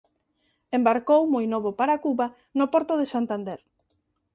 Embarcou moi novo para Cuba no porto de Santander.